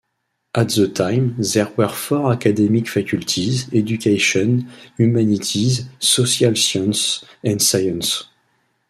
At that time, there were four academic faculties: Education, Humanities, Social Sciences, and Science.